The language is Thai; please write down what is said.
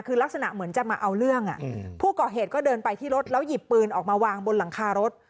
คือลักษณะเหมือนจะมาเอาเรื่องผู้ก่อเหตุก็เดินไปที่รถแล้วหยิบปืนออกมาวางบนหลังคารถ